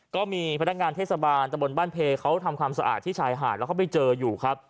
ก็มีพนักงานเทศบาลตะบนบ้านเพเขาทำความสะอาดที่ชายหาดแล้วเขาไปเจออยู่ครับ